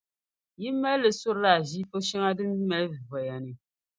yi mali li n-surila aziifu shɛŋa din mali voya ni la.